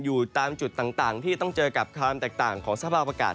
อยู่ตามจุดต่างที่ต้องเจอกับความแตกต่างของสภาพอากาศ